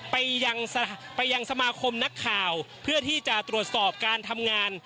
ไปยังสมาคมนักข่าวเพื่อที่จะตรวจสอบการทำงาน